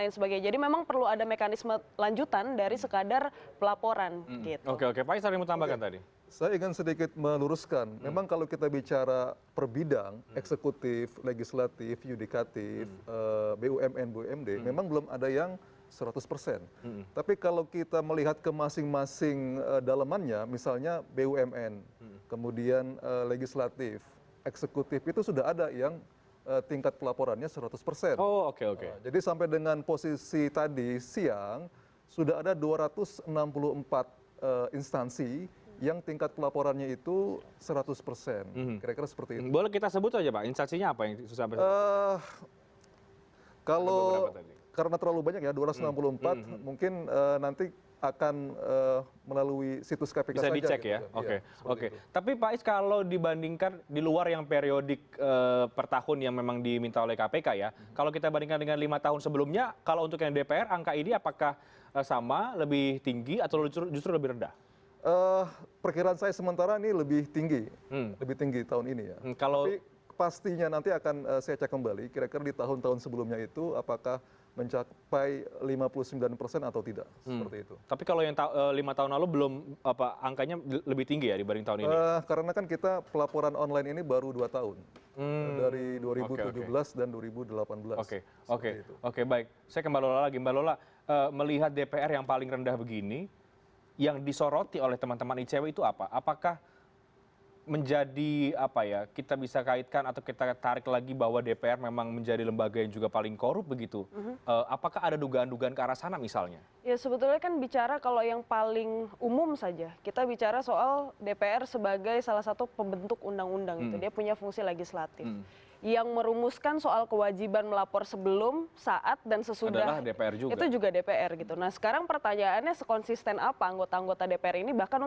ini memang selalu buruk kok laporan apa tingkat kepatuhan dpr ini dibanding dengan lembaga lembaga yang lain